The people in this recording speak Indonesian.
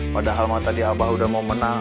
padahal matanya abah udah mau menang